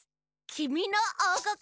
「きみのおうこく」。